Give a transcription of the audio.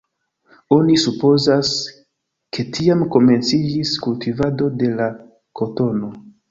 Oni supozas, ke tiam komenciĝis kultivado de la kotono.